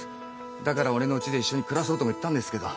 だから俺のうちで一緒に暮らそうとも言ったんですけど。